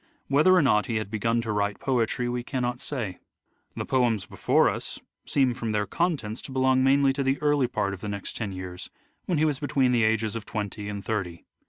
Whether or not he had begun to write poetry we cannot say. The poems before us seem from their contents to belong mainly to the early part of the next ten years, when he was between the ages of twenty and thirty.